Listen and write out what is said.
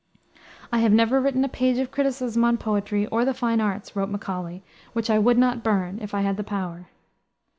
"I have never written a page of criticism on poetry, or the fine arts," wrote Macaulay, "which I would not burn if I had the power."